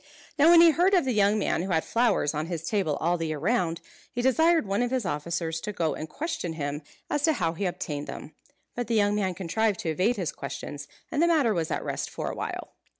Now when he heard of the young man who had flowers on his table all the year round, he desired one of his officers to go and question him as to how he obtained them. But the young man contrived to evade his questions, and the matter was at rest for a while.